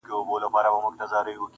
یو د بل به یې سرونه غوڅوله-